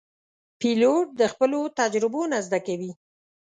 پیلوټ د خپلو تجربو نه زده کوي.